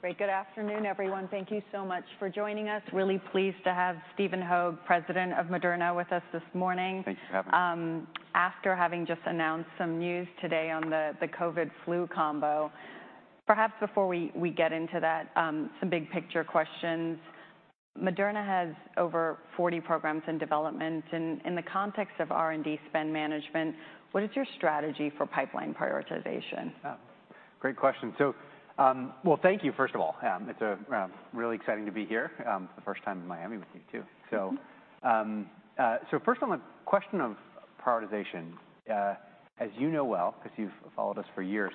Great. Good afternoon, everyone. Thank you so much for joining us. Really pleased to have Stephen Hoge, President of Moderna, with us this morning. Thanks for having me. After having just announced some news today on the COVID-flu combo, perhaps before we get into that, some big picture questions. Moderna has over 40 programs in development. In the context of R&D spend management, what is your strategy for pipeline prioritization? Great question. Well, thank you, first of all. It's really exciting to be here for the first time in Miami with you, too. So first, on the question of prioritization, as you know well, because you've followed us for years,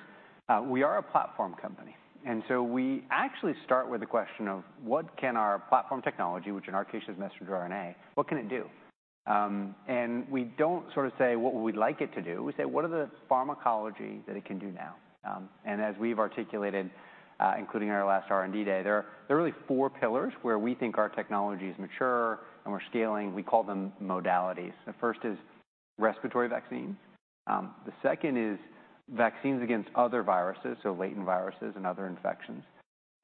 we are a platform company. And so we actually start with the question of, what can our platform technology, which in our case is messenger RNA, what can it do? And we don't sort of say, what would we like it to do. We say, what are the pharmacology that it can do now? And as we've articulated, including our last R&D day, there are really four pillars where we think our technology is mature and we're scaling. We call them modalities. The first is respiratory vaccines. The second is vaccines against other viruses, so latent viruses and other infections.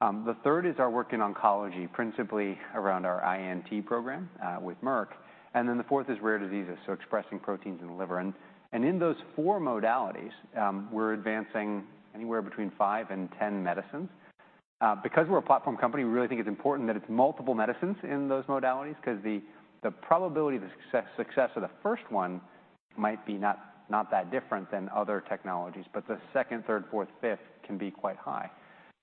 The third is our work in oncology, principally around our INT program with Merck. And then the fourth is rare diseases, so expressing proteins in the liver. And in those four modalities, we're advancing anywhere between 5-10 medicines. Because we're a platform company, we really think it's important that it's multiple medicines in those modalities, because the probability of the success of the first one might be not that different than other technologies. But the second, third, fourth, fifth can be quite high.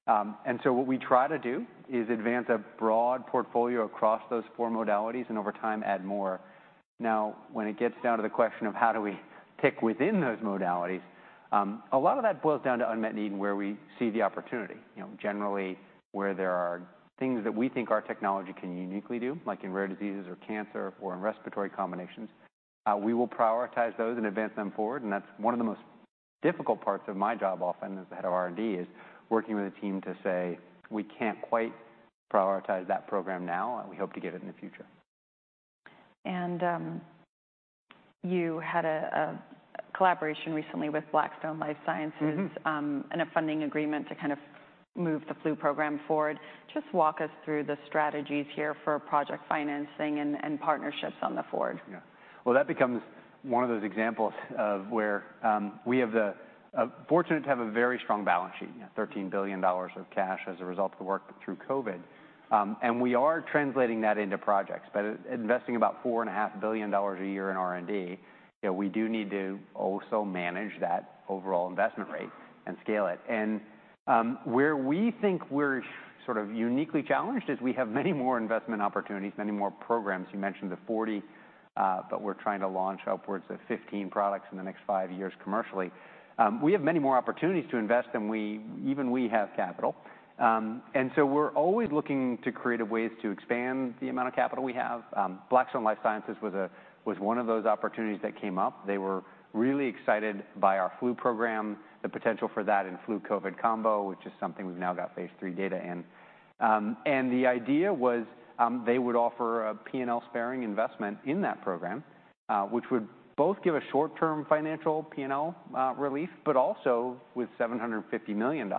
And so what we try to do is advance a broad portfolio across those four modalities and over time add more. Now, when it gets down to the question of how do we tick within those modalities, a lot of that boils down to unmet need and where we see the opportunity. Generally, where there are things that we think our technology can uniquely do, like in rare diseases or cancer or in respiratory combinations, we will prioritize those and advance them forward. That's one of the most difficult parts of my job, often, as the head of R&D, is working with a team to say, we can't quite prioritize that program now. We hope to get it in the future. You had a collaboration recently with Blackstone Life Sciences and a funding agreement to kind of move the flu program forward. Just walk us through the strategies here for project financing and partnerships on the forward. Yeah. Well, that becomes one of those examples of where we have the fortunate to have a very strong balance sheet, $13 billion of cash as a result of the work through COVID. And we are translating that into projects. But investing about $4.5 billion a year in R&D, we do need to also manage that overall investment rate and scale it. And where we think we're sort of uniquely challenged is we have many more investment opportunities, many more programs. You mentioned the 40, but we're trying to launch upwards of 15 products in the next five years commercially. We have many more opportunities to invest than even we have capital. And so we're always looking to creative ways to expand the amount of capital we have. Blackstone Life Sciences was one of those opportunities that came up. They were really excited by our flu program, the potential for that in flu-COVID combo, which is something we've now got phase III data in. And the idea was they would offer a P&L sparing investment in that program, which would both give a short-term financial P&L relief, but also, with $750 million,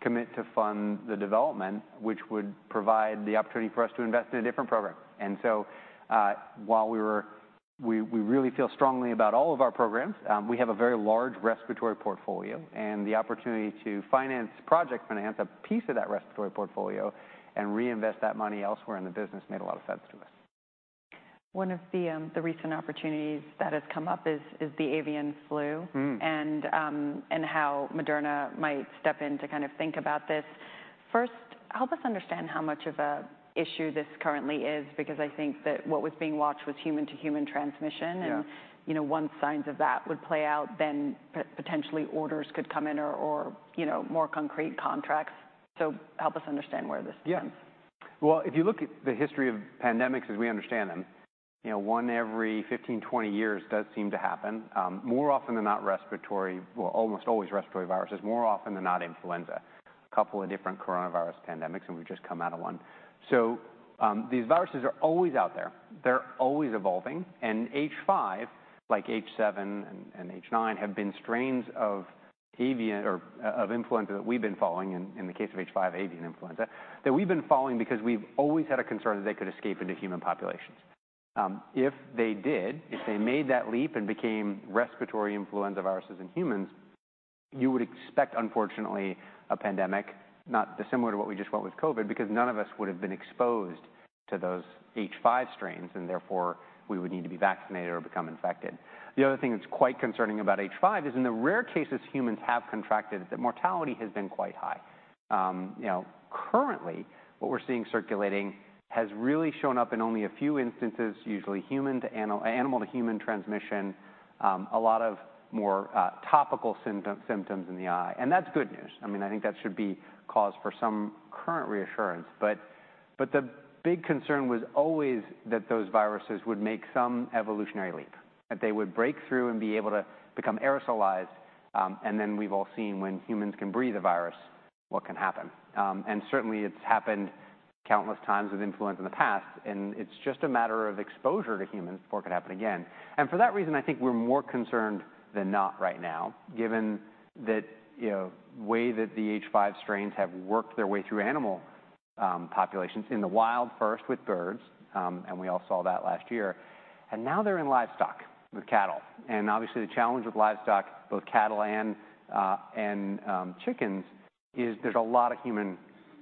commit to fund the development, which would provide the opportunity for us to invest in a different program. And so while we really feel strongly about all of our programs, we have a very large respiratory portfolio. And the opportunity to finance project finance a piece of that respiratory portfolio and reinvest that money elsewhere in the business made a lot of sense to us. One of the recent opportunities that has come up is the avian flu and how Moderna might step in to kind of think about this. First, help us understand how much of an issue this currently is, because I think that what was being watched was human-to-human transmission. Once signs of that would play out, then potentially orders could come in or more concrete contracts. Help us understand where this stands. Yeah. Well, if you look at the history of pandemics as we understand them, one every 15, 20 years does seem to happen. More often than not, respiratory, well, almost always respiratory viruses, more often than not, influenza. A couple of different coronavirus pandemics, and we've just come out of one. So these viruses are always out there. They're always evolving. And H5, like H7 and H9, have been strains of influenza that we've been following, in the case of H5, avian influenza, that we've been following because we've always had a concern that they could escape into human populations. If they did, if they made that leap and became respiratory influenza viruses in humans, you would expect, unfortunately, a pandemic, not dissimilar to what we just went with COVID, because none of us would have been exposed to those H5 strains. And therefore, we would need to be vaccinated or become infected. The other thing that's quite concerning about H5 is, in the rare cases humans have contracted, the mortality has been quite high. Currently, what we're seeing circulating has really shown up in only a few instances, usually animal-to-human transmission, a lot of more topical symptoms in the eye. And that's good news. I mean, I think that should be cause for some current reassurance. But the big concern was always that those viruses would make some evolutionary leap, that they would break through and be able to become aerosolized. And then we've all seen, when humans can breathe a virus, what can happen. And certainly, it's happened countless times with influenza in the past. And it's just a matter of exposure to humans before it could happen again. And for that reason, I think we're more concerned than not right now, given the way that the H5 strains have worked their way through animal populations in the wild, first with birds. And we all saw that last year. And now they're in livestock with cattle. And obviously, the challenge with livestock, both cattle and chickens, is there's a lot of human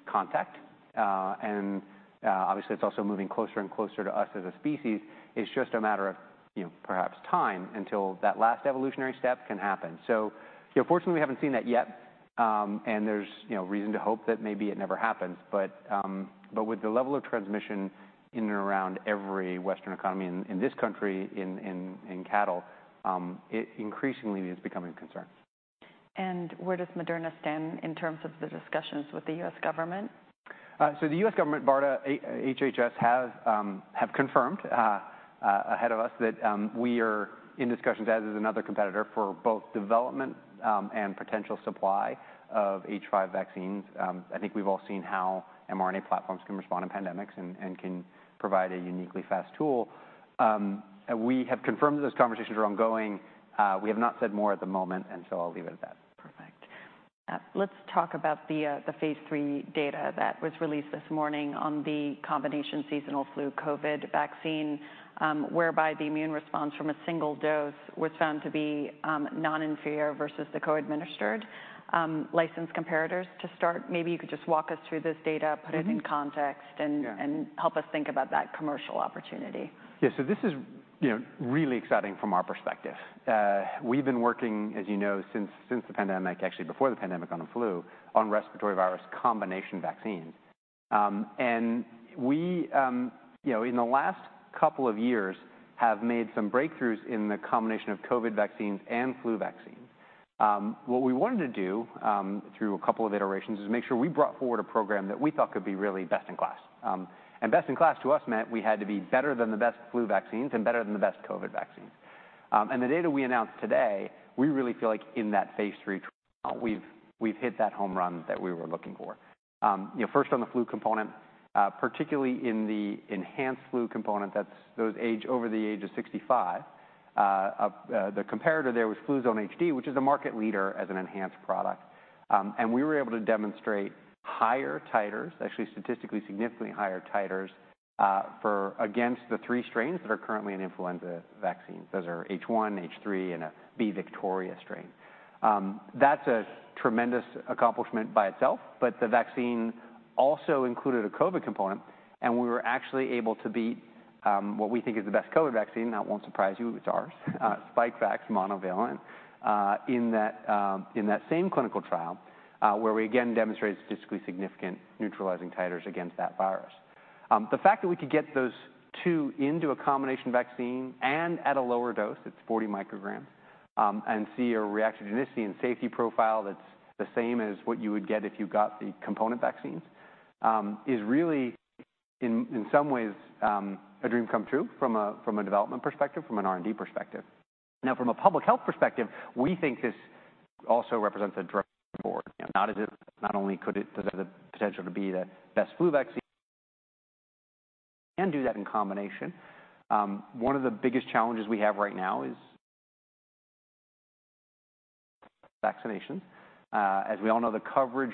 contact. And obviously, it's also moving closer and closer to us as a species. It's just a matter of perhaps time until that last evolutionary step can happen. So fortunately, we haven't seen that yet. And there's reason to hope that maybe it never happens. But with the level of transmission in and around every Western economy in this country, in cattle, it increasingly is becoming a concern. Where does Moderna stand in terms of the discussions with the U.S. government? So the U.S. government, BARDA, HHS have confirmed ahead of us that we are in discussions, as is another competitor, for both development and potential supply of H5 vaccines. I think we've all seen how mRNA platforms can respond to pandemics and can provide a uniquely fast tool. We have confirmed that those conversations are ongoing. We have not said more at the moment. And so I'll leave it at that. Perfect. Let's talk about the phase III data that was released this morning on the combination seasonal flu COVID vaccine, whereby the immune response from a single dose was found to be non-inferior versus the co-administered licensed comparators to start. Maybe you could just walk us through this data, put it in context, and help us think about that commercial opportunity. Yeah. So this is really exciting from our perspective. We've been working, as you know, since the pandemic, actually before the pandemic on the flu, on respiratory virus combination vaccines. And we, in the last couple of years, have made some breakthroughs in the combination of COVID vaccines and flu vaccines. What we wanted to do through a couple of iterations is make sure we brought forward a program that we thought could be really best in class. And best in class to us meant we had to be better than the best flu vaccines and better than the best COVID vaccines. And the data we announced today, we really feel like in that phase III trial, we've hit that home run that we were looking for. First, on the flu component, particularly in the enhanced flu component, that's those over the age of 65, the comparator there was Fluzone HD, which is a market leader as an enhanced product. We were able to demonstrate higher titers, actually statistically significantly higher titers against the three strains that are currently in influenza vaccines. Those are H1, H3, and a B Victoria strain. That's a tremendous accomplishment by itself. The vaccine also included a COVID component. We were actually able to beat what we think is the best COVID vaccine. Now, it won't surprise you. It's ours, Spikevax monovalent, in that same clinical trial, where we, again, demonstrated statistically significant neutralizing titers against that virus. The fact that we could get those two into a combination vaccine and at a lower dose, it's 40 micrograms, and see a reactogenicity and safety profile that's the same as what you would get if you got the component vaccines is really, in some ways, a dream come true from a development perspective, from an R&D perspective. Now, from a public health perspective, we think this also represents a step forward. Not only could it have the potential to be the best flu vaccine and do that in combination, one of the biggest challenges we have right now is vaccinations. As we all know, the coverage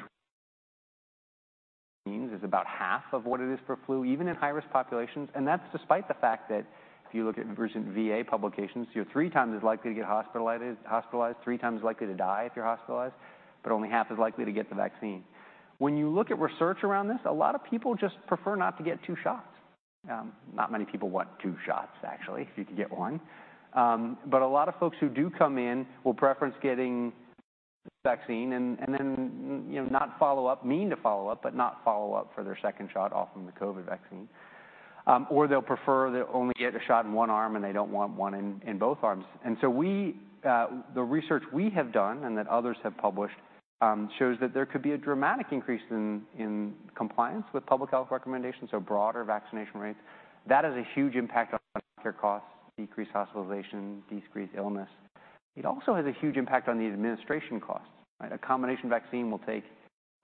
means is about half of what it is for flu, even in high-risk populations. That's despite the fact that if you look at recent VA publications, you're three times as likely to get hospitalized, three times likely to die if you're hospitalized, but only half as likely to get the vaccine. When you look at research around this, a lot of people just prefer not to get two shots. Not many people want two shots, actually, if you could get one. But a lot of folks who do come in will preference getting the vaccine and then not follow up, mean to follow up, but not follow up for their second shot off of the COVID vaccine. Or they'll prefer to only get a shot in one arm, and they don't want one in both arms. And so the research we have done and that others have published shows that there could be a dramatic increase in compliance with public health recommendations, so broader vaccination rates. That has a huge impact on healthcare costs, decreased hospitalization, decreased illness. It also has a huge impact on the administration costs. A combination vaccine will take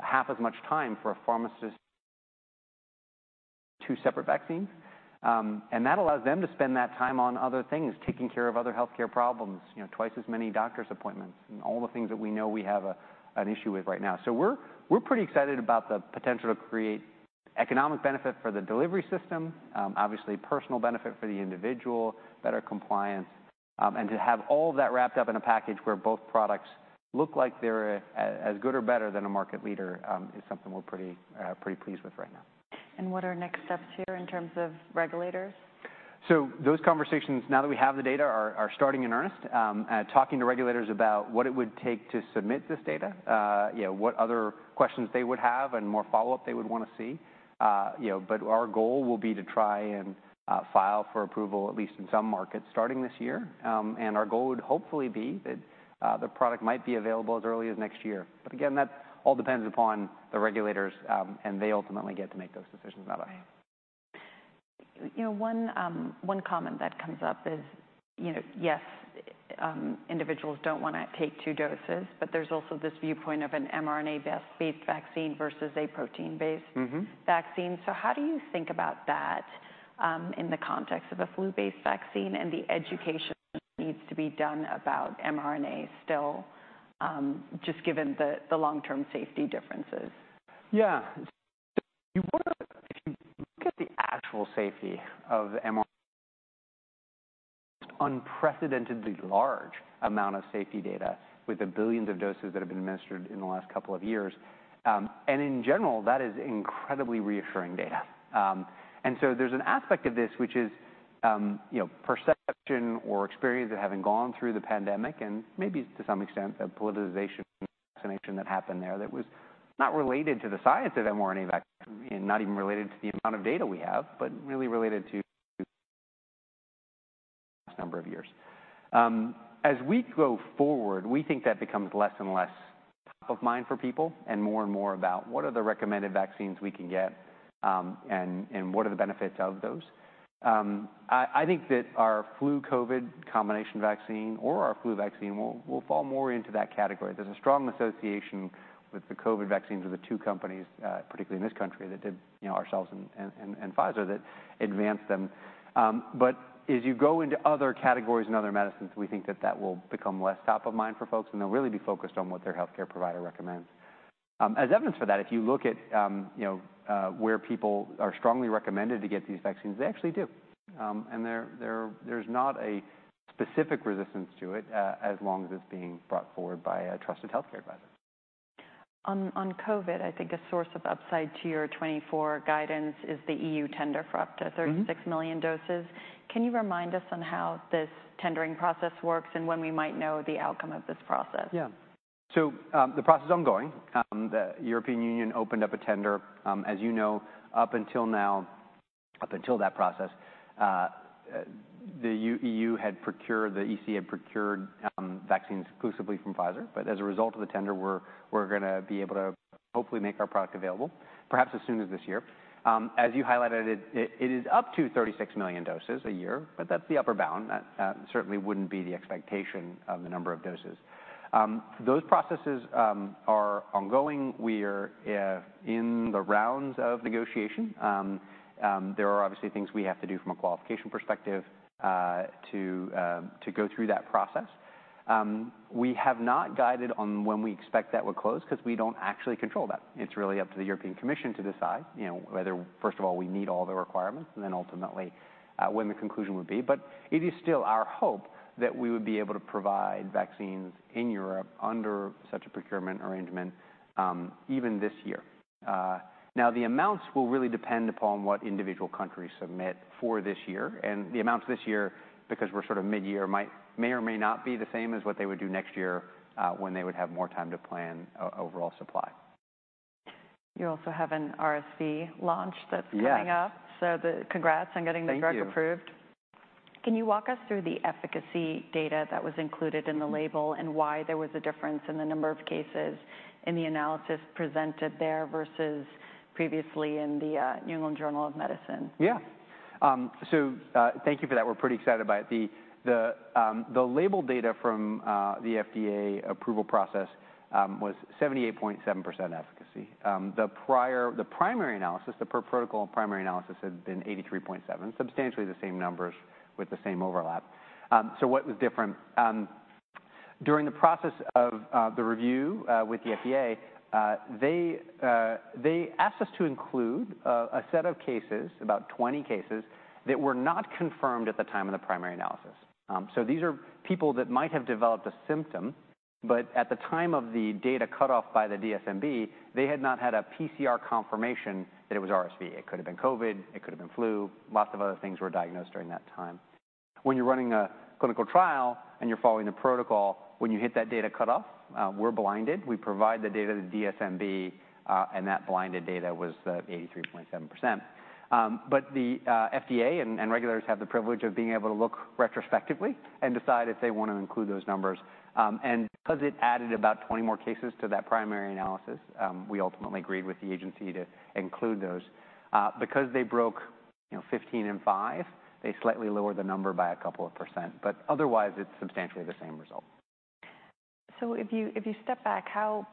half as much time for a pharmacist to separate vaccines. And that allows them to spend that time on other things, taking care of other healthcare problems, twice as many doctor's appointments, and all the things that we know we have an issue with right now. So we're pretty excited about the potential to create economic benefit for the delivery system, obviously personal benefit for the individual, better compliance. To have all of that wrapped up in a package where both products look like they're as good or better than a market leader is something we're pretty pleased with right now. What are next steps here in terms of regulators? So those conversations, now that we have the data, are starting in earnest, talking to regulators about what it would take to submit this data, what other questions they would have, and more follow-up they would want to see. But our goal will be to try and file for approval, at least in some markets, starting this year. And our goal would hopefully be that the product might be available as early as next year. But again, that all depends upon the regulators. And they ultimately get to make those decisions, not us. One comment that comes up is, yes, individuals don't want to take two doses. But there's also this viewpoint of an mRNA-based vaccine versus a protein-based vaccine. So how do you think about that in the context of a flu-based vaccine and the education that needs to be done about mRNA still, just given the long-term safety differences? Yeah. If you look at the actual safety of mRNA, it's an unprecedentedly large amount of safety data with the billions of doses that have been administered in the last couple of years. And in general, that is incredibly reassuring data. And so there's an aspect of this, which is perception or experience of having gone through the pandemic and maybe to some extent the politicization of vaccination that happened there that was not related to the science of mRNA vaccine, not even related to the amount of data we have, but really related to the past number of years. As we go forward, we think that becomes less and less top of mind for people and more and more about what are the recommended vaccines we can get and what are the benefits of those. I think that our flu-COVID combination vaccine or our flu vaccine will fall more into that category. There's a strong association with the COVID vaccines of the two companies, particularly in this country, that did ourselves and Pfizer that advanced them. But as you go into other categories and other medicines, we think that that will become less top of mind for folks. And they'll really be focused on what their healthcare provider recommends. As evidence for that, if you look at where people are strongly recommended to get these vaccines, they actually do. And there's not a specific resistance to it as long as it's being brought forward by a trusted healthcare advisor. On COVID, I think a source of upside to your 2024 guidance is the EU tender for up to 36 million doses. Can you remind us on how this tendering process works and when we might know the outcome of this process? Yeah. So the process is ongoing. The European Union opened up a tender. As you know, up until that process, the EU had procured, the EC had procured vaccines exclusively from Pfizer. But as a result of the tender, we're going to be able to hopefully make our product available, perhaps as soon as this year. As you highlighted, it is up to 36 million doses a year. But that's the upper bound. That certainly wouldn't be the expectation of the number of doses. Those processes are ongoing. We are in the rounds of negotiation. There are obviously things we have to do from a qualification perspective to go through that process. We have not guided on when we expect that would close because we don't actually control that. It's really up to the European Commission to decide whether, first of all, we meet all the requirements and then ultimately when the conclusion would be. But it is still our hope that we would be able to provide vaccines in Europe under such a procurement arrangement even this year. Now, the amounts will really depend upon what individual countries submit for this year. And the amounts this year, because we're sort of mid-year, may or may not be the same as what they would do next year when they would have more time to plan overall supply. You also have an RSV launch that's coming up. Yes. Congrats on getting the drug approved. Thank you. Can you walk us through the efficacy data that was included in the label and why there was a difference in the number of cases in the analysis presented there versus previously in the New England Journal of Medicine? Yeah. So thank you for that. We're pretty excited about it. The label data from the FDA approval process was 78.7% efficacy. The primary analysis, the per protocol primary analysis, had been 83.7%, substantially the same numbers with the same overlap. So what was different? During the process of the review with the FDA, they asked us to include a set of cases, about 20 cases, that were not confirmed at the time of the primary analysis. So these are people that might have developed a symptom. But at the time of the data cutoff by the DSMB, they had not had a PCR confirmation that it was RSV. It could have been COVID. It could have been flu. Lots of other things were diagnosed during that time. When you're running a clinical trial and you're following the protocol, when you hit that data cutoff, we're blinded. We provide the data to the DSMB. And that blinded data was the 83.7%. But the FDA and regulators have the privilege of being able to look retrospectively and decide if they want to include those numbers. And because it added about 20 more cases to that primary analysis, we ultimately agreed with the agency to include those. Because they broke 15 and 5, they slightly lowered the number by a couple of percent. But otherwise, it's substantially the same result. So if you step back, how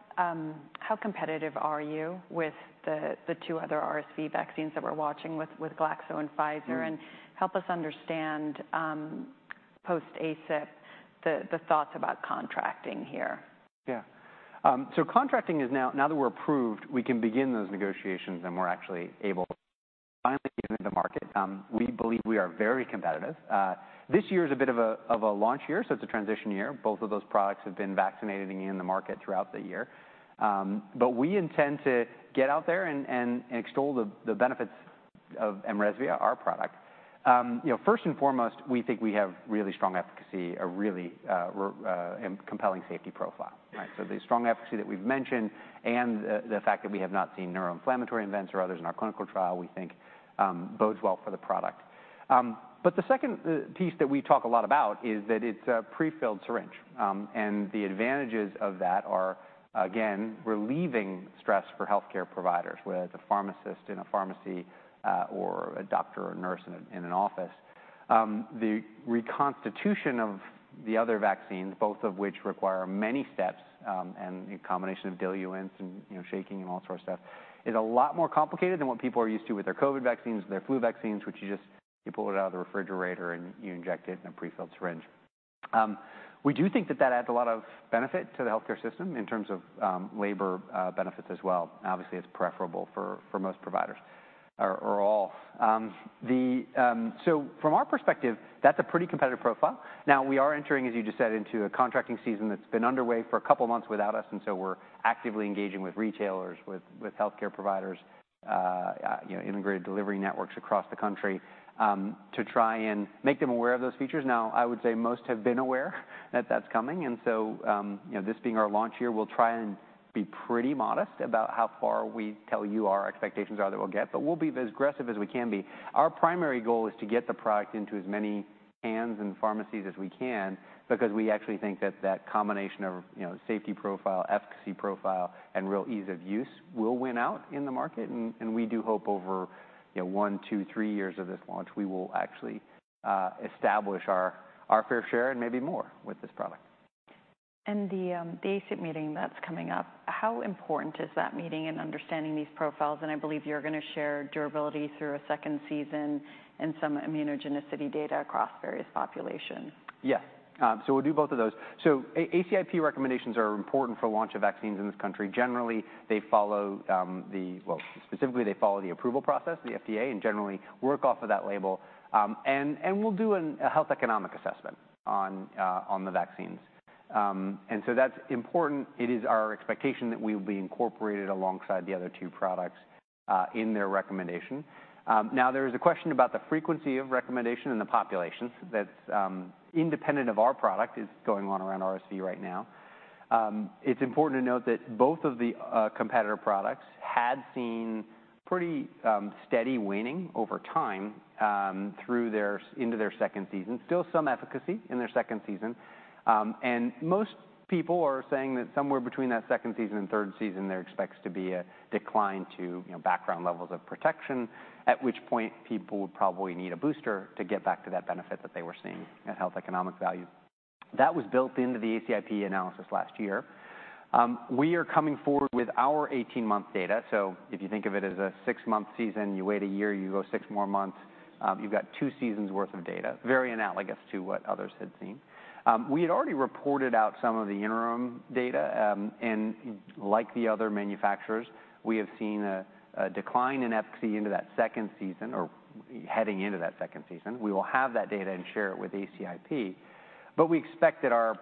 competitive are you with the two other RSV vaccines that we're watching with Glaxo and Pfizer? And help us understand post-ACIP the thoughts about contracting here? Yeah. So contracting is now that we're approved, we can begin those negotiations. We're actually able to finally get into the market. We believe we are very competitive. This year is a bit of a launch year. So it's a transition year. Both of those products have been vaccinated and in the market throughout the year. But we intend to get out there and extol the benefits of mRESVIA, our product. First and foremost, we think we have really strong efficacy, a really compelling safety profile. So the strong efficacy that we've mentioned and the fact that we have not seen neuroinflammatory events or others in our clinical trial, we think bodes well for the product. But the second piece that we talk a lot about is that it's a prefilled syringe. The advantages of that are, again, relieving stress for healthcare providers, whether it's a pharmacist in a pharmacy or a doctor or nurse in an office. The reconstitution of the other vaccines, both of which require many steps and a combination of diluents and shaking and all sorts of stuff, is a lot more complicated than what people are used to with their COVID vaccines and their flu vaccines, which you just pull it out of the refrigerator and you inject it in a prefilled syringe. We do think that that adds a lot of benefit to the healthcare system in terms of labor benefits as well. Obviously, it's preferable for most providers or all. From our perspective, that's a pretty competitive profile. Now, we are entering, as you just said, into a contracting season that's been underway for a couple of months without us. So we're actively engaging with retailers, with healthcare providers, integrated delivery networks across the country to try and make them aware of those features. Now, I would say most have been aware that that's coming. So this being our launch year, we'll try and be pretty modest about how far we tell you our expectations are that we'll get. But we'll be as aggressive as we can be. Our primary goal is to get the product into as many hands and pharmacies as we can because we actually think that that combination of safety profile, efficacy profile, and real ease of use will win out in the market. We do hope over one, two, three years of this launch, we will actually establish our fair share and maybe more with this product. The ACIP meeting that's coming up, how important is that meeting in understanding these profiles? I believe you're going to share durability through a second season and some immunogenicity data across various populations. Yes. So we'll do both of those. So ACIP recommendations are important for launch of vaccines in this country. Generally, they follow the, well, specifically, they follow the approval process, the FDA, and generally work off of that label. And we'll do a health economic assessment on the vaccines. And so that's important. It is our expectation that we will be incorporated alongside the other two products in their recommendation. Now, there is a question about the frequency of recommendation and the populations. That's independent of our product is going on around RSV right now. It's important to note that both of the competitor products had seen pretty steady waning over time through their into their second season, still some efficacy in their second season. Most people are saying that somewhere between that second season and third season, there expects to be a decline to background levels of protection, at which point people would probably need a booster to get back to that benefit that they were seeing at health economic value. That was built into the ACIP analysis last year. We are coming forward with our 18-month data. If you think of it as a 6-month season, you wait a year, you go 6 more months, you've got two seasons' worth of data, very analogous to what others had seen. We had already reported out some of the interim data. Like the other manufacturers, we have seen a decline in efficacy into that second season or heading into that second season. We will have that data and share it with ACIP. We expect that our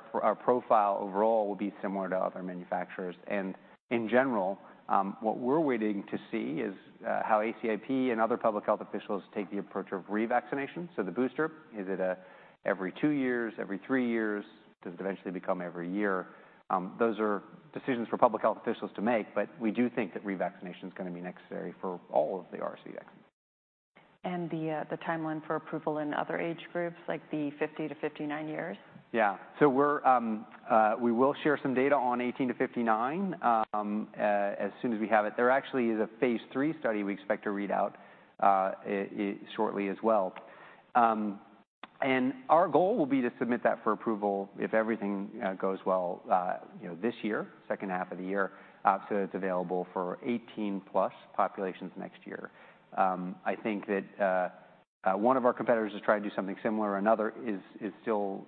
profile overall will be similar to other manufacturers. In general, what we're waiting to see is how ACIP and other public health officials take the approach of revaccination. The booster, is it every two years, every three years? Does it eventually become every year? Those are decisions for public health officials to make. But we do think that revaccination is going to be necessary for all of the RSV vaccines. The timeline for approval in other age groups, like the 50-59 years? Yeah. So we will share some data on 18-59 as soon as we have it. There actually is a phase III study we expect to read out shortly as well. And our goal will be to submit that for approval if everything goes well this year, second half of the year, so that it's available for 18+ populations next year. I think that one of our competitors is trying to do something similar. Another is still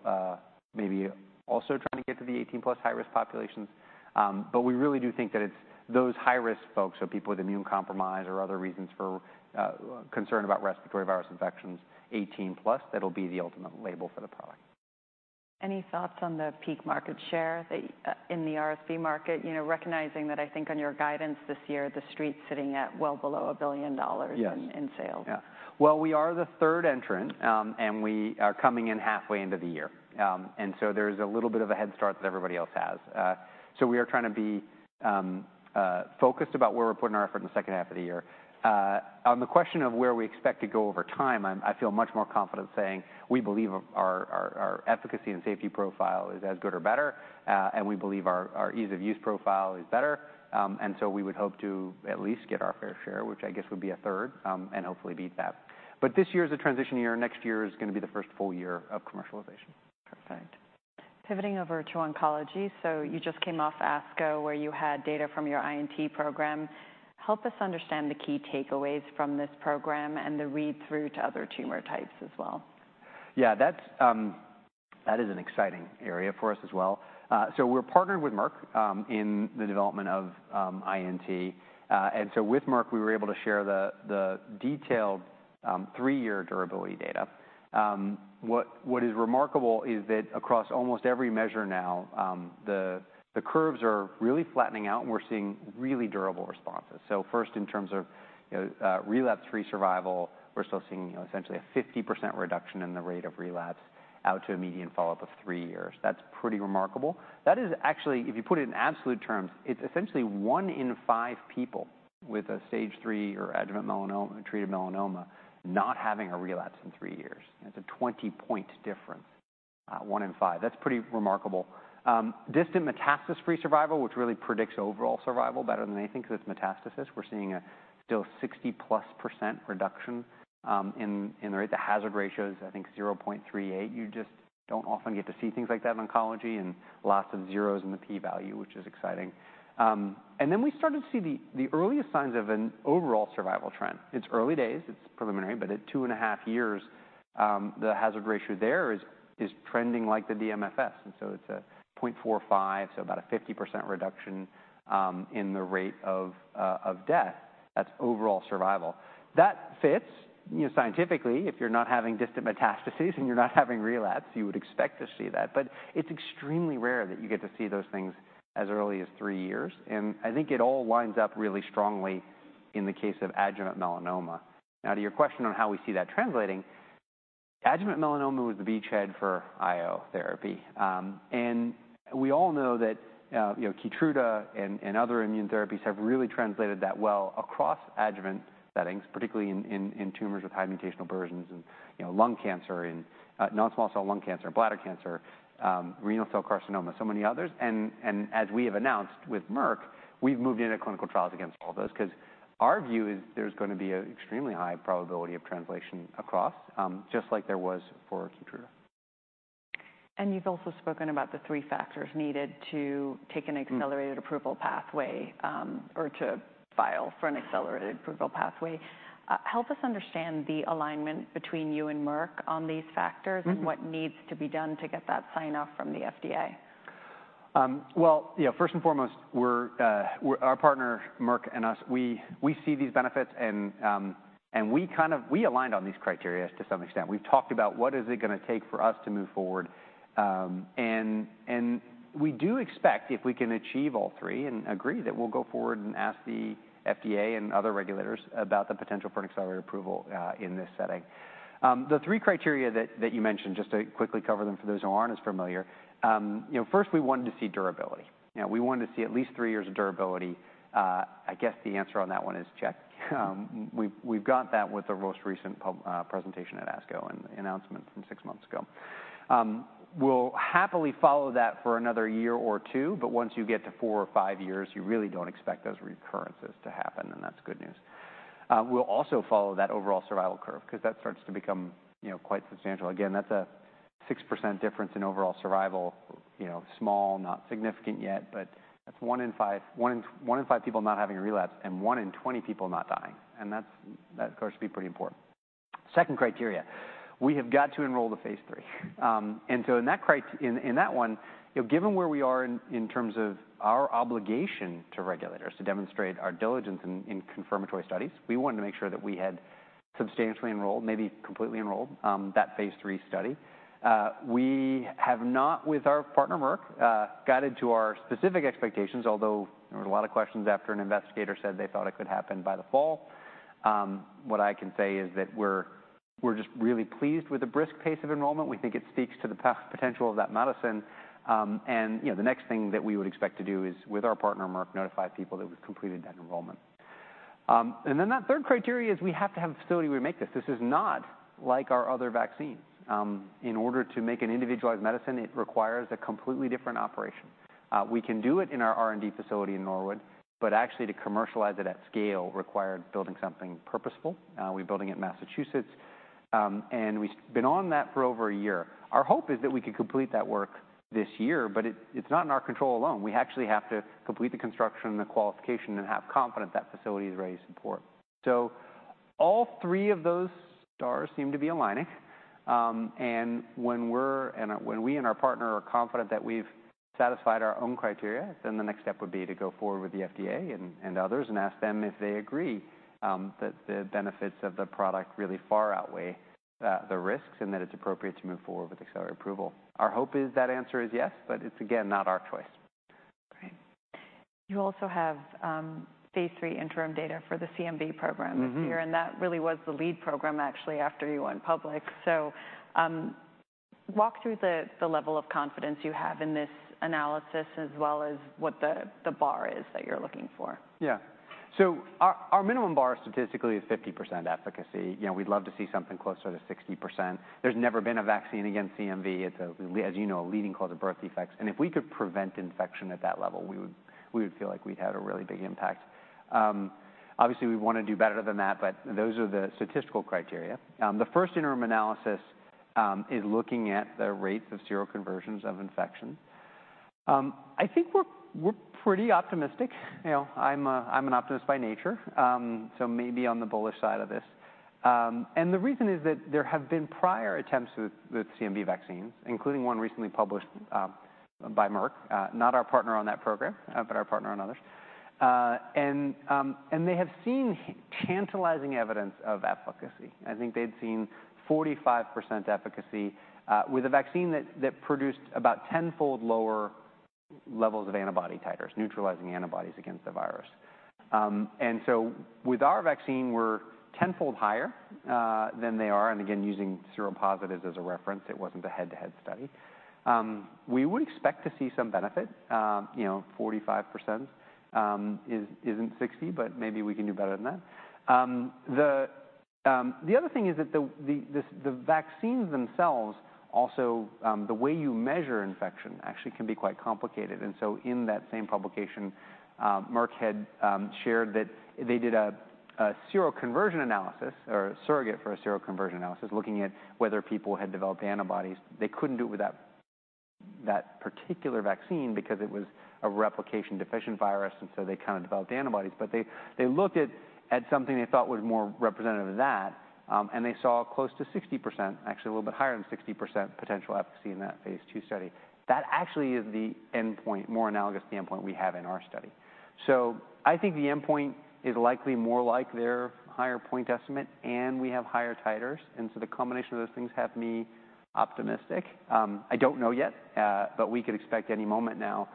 maybe also trying to get to the 18-plus high-risk populations. But we really do think that it's those high-risk folks, so people with immune compromise or other reasons for concern about respiratory virus infections, 18+, that'll be the ultimate label for the product. Any thoughts on the peak market share in the RSV market, recognizing that I think on your guidance this year, the street's sitting at well below $1 billion in sales? Yeah. Well, we are the third entrant. We are coming in halfway into the year. So there is a little bit of a head start that everybody else has. We are trying to be focused about where we're putting our effort in the second half of the year. On the question of where we expect to go over time, I feel much more confident saying we believe our efficacy and safety profile is as good or better. We believe our ease of use profile is better. We would hope to at least get our fair share, which I guess would be a third, and hopefully beat that. This year is a transition year. Next year is going to be the first full year of commercialization. Perfect. Pivoting over to oncology. So you just came off ASCO where you had data from your INT program. Help us understand the key takeaways from this program and the read-through to other tumor types as well? Yeah. That is an exciting area for us as well. So we're partnered with Merck in the development of INT. And so with Merck, we were able to share the detailed 3-year durability data. What is remarkable is that across almost every measure now, the curves are really flattening out. And we're seeing really durable responses. So first, in terms of relapse-free survival, we're still seeing essentially a 50% reduction in the rate of relapse out to a median follow-up of 3 years. That's pretty remarkable. That is actually, if you put it in absolute terms, it's essentially one in five people with a stage three or adjuvant treated melanoma not having a relapse in 3 years. That's a 20-point difference, one in five. That's pretty remarkable. Distant metastasis-free survival, which really predicts overall survival better than anything because it's metastasis. We're seeing still a 60+% reduction in the rate. The hazard ratio is, I think, 0.38. You just don't often get to see things like that in oncology and lots of zeros in the p-value, which is exciting. And then we started to see the earliest signs of an overall survival trend. It's early days. It's preliminary. But at 2.5 years, the hazard ratio there is trending like the DMFS. And so it's a 0.45, so about a 50% reduction in the rate of death. That's overall survival. That fits scientifically. If you're not having distant metastasis and you're not having relapse, you would expect to see that. But it's extremely rare that you get to see those things as early as 3 years. And I think it all lines up really strongly in the case of adjuvant melanoma. Now, to your question on how we see that translating, adjuvant melanoma was the beachhead for IO therapy. And we all know that KEYTRUDA and other immune therapies have really translated that well across adjuvant settings, particularly in tumors with high mutational burdens and lung cancer and non-small cell lung cancer and bladder cancer, renal cell carcinoma, so many others. And as we have announced with Merck, we've moved into clinical trials against all of those because our view is there's going to be an extremely high probability of translation across, just like there was for KEYTRUDA. You've also spoken about the three factors needed to take an accelerated approval pathway or to file for an accelerated approval pathway. Help us understand the alignment between you and Merck on these factors and what needs to be done to get that sign-off from the FDA. Well, first and foremost, our partner, Merck and us, we see these benefits. And we kind of aligned on these criteria to some extent. We've talked about what is it going to take for us to move forward. And we do expect, if we can achieve all three and agree, that we'll go forward and ask the FDA and other regulators about the potential for an accelerated approval in this setting. The three criteria that you mentioned, just to quickly cover them for those who aren't as familiar, first, we wanted to see durability. We wanted to see at least three years of durability. I guess the answer on that one is check. We've got that with the most recent presentation at ASCO and announcement from six months ago. We'll happily follow that for another year or two. But once you get to 4 years or 5 years, you really don't expect those recurrences to happen. And that's good news. We'll also follow that overall survival curve because that starts to become quite substantial. Again, that's a 6% difference in overall survival, small, not significant yet. But that's one in five people not having a relapse and one in 20 people not dying. And that's, of course, pretty important. Second criteria, we have got to enroll the phase III. And so in that one, given where we are in terms of our obligation to regulators to demonstrate our diligence in confirmatory studies, we wanted to make sure that we had substantially enrolled, maybe completely enrolled, that phase III study. We have not, with our partner Merck, guided to our specific expectations, although there were a lot of questions after an investigator said they thought it could happen by the fall. What I can say is that we're just really pleased with the brisk pace of enrollment. We think it speaks to the potential of that medicine. The next thing that we would expect to do is, with our partner Merck, notify people that we've completed that enrollment. Then that third criteria is we have to have a facility where we make this. This is not like our other vaccines. In order to make an individualized medicine, it requires a completely different operation. We can do it in our R&D facility in Norwood. But actually, to commercialize it at scale required building something purposeful. We're building it in Massachusetts. We've been on that for over a year. Our hope is that we could complete that work this year. But it's not in our control alone. We actually have to complete the construction and the qualification and have confidence that facility is ready to support. So all three of those stars seem to be aligning. And when we and our partner are confident that we've satisfied our own criteria, then the next step would be to go forward with the FDA and others and ask them if they agree that the benefits of the product really far outweigh the risks and that it's appropriate to move forward with accelerated approval. Our hope is that answer is yes. But it's, again, not our choice. Great. You also have phase III interim data for the CMV program this year. That really was the lead program, actually, after you went public. Walk through the level of confidence you have in this analysis as well as what the bar is that you're looking for. Yeah. So our minimum bar statistically is 50% efficacy. We'd love to see something closer to 60%. There's never been a vaccine against CMV. It's a, as you know, a leading cause of birth defects. And if we could prevent infection at that level, we would feel like we'd had a really big impact. Obviously, we want to do better than that. But those are the statistical criteria. The first interim analysis is looking at the rates of seroconversions of infection. I think we're pretty optimistic. I'm an optimist by nature, so maybe on the bullish side of this. And the reason is that there have been prior attempts with CMV vaccines, including one recently published by Merck, not our partner on that program, but our partner on others. And they have seen tantalizing evidence of efficacy. I think they'd seen 45% efficacy with a vaccine that produced about tenfold lower levels of antibody titers, neutralizing antibodies against the virus. And so with our vaccine, we're tenfold higher than they are. And again, using seropositives as a reference, it wasn't a head-to-head study. We would expect to see some benefit. 45% isn't 60%, but maybe we can do better than that. The other thing is that the vaccines themselves, also the way you measure infection actually can be quite complicated. And so in that same publication, Merck had shared that they did a seroconversion analysis or surrogate for a seroconversion analysis looking at whether people had developed antibodies. They couldn't do it with that particular vaccine because it was a replication deficient virus. And so they kind of developed antibodies. But they looked at something they thought was more representative of that. They saw close to 60%, actually a little bit higher than 60% potential efficacy in that phase II study. That actually is the endpoint, more analogous to the endpoint we have in our study. I think the endpoint is likely more like their higher point estimate. We have higher titers. The combination of those things has me optimistic. I don't know yet. We could expect any moment now.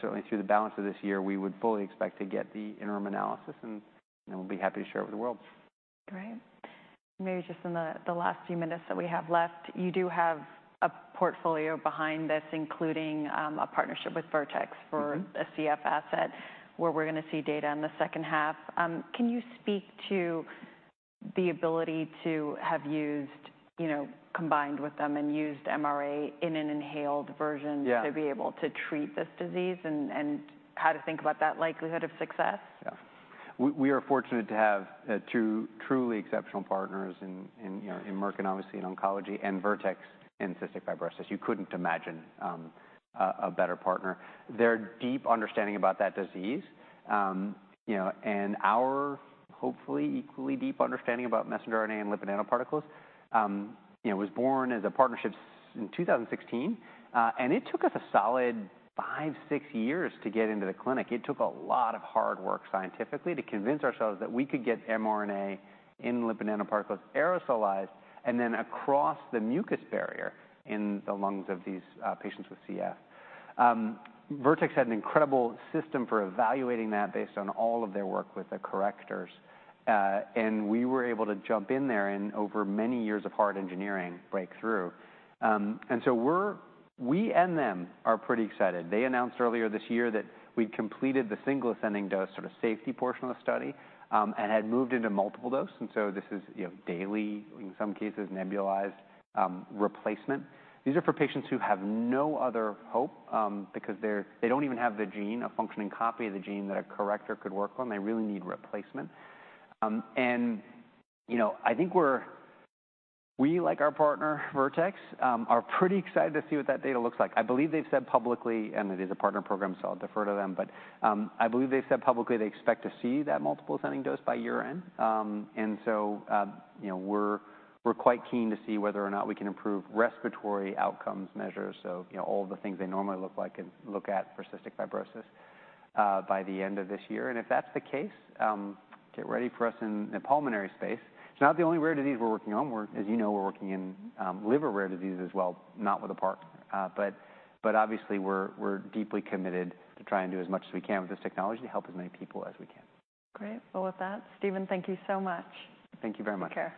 Certainly, through the balance of this year, we would fully expect to get the interim analysis. We'll be happy to share it with the world. Great. Maybe just in the last few minutes that we have left, you do have a portfolio behind this, including a partnership with Vertex for a CF asset where we're going to see data in the second half. Can you speak to the ability to have used combined with them and used mRNA in an inhaled version to be able to treat this disease and how to think about that likelihood of success? Yeah. We are fortunate to have two truly exceptional partners in Merck and obviously in oncology and Vertex in cystic fibrosis. You couldn't imagine a better partner. Their deep understanding about that disease and our hopefully equally deep understanding about messenger RNA and lipid nanoparticles was born as a partnership in 2016. And it took us a solid 5 years, 6 years to get into the clinic. It took a lot of hard work scientifically to convince ourselves that we could get mRNA in lipid nanoparticles aerosolized and then across the mucus barrier in the lungs of these patients with CF. Vertex had an incredible system for evaluating that based on all of their work with the correctors. And we were able to jump in there and over many years of hard engineering break through. And so we and them are pretty excited. They announced earlier this year that we'd completed the single ascending dose sort of safety portion of the study and had moved into multiple dose. And so this is daily, in some cases, nebulized replacement. These are for patients who have no other hope because they don't even have the gene, a functioning copy of the gene that a corrector could work on. They really need replacement. And I think we're, we like our partner Vertex, are pretty excited to see what that data looks like. I believe they've said publicly, and it is a partner program, so I'll defer to them. But I believe they've said publicly they expect to see that multiple ascending dose by year end. And so we're quite keen to see whether or not we can improve respiratory outcomes measures, so all the things they normally look at for cystic fibrosis by the end of this year. And if that's the case, get ready for us in the pulmonary space. It's not the only rare disease we're working on. As you know, we're working in liver rare disease as well, not with a partner. But obviously, we're deeply committed to try and do as much as we can with this technology to help as many people as we can. Great. Well, with that, Stephen, thank you so much. Thank you very much. Take care.